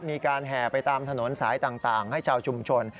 แห่ไปตามถนนสายต่างให้ชาวชุมชน